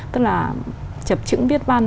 tức là chập chững viết băn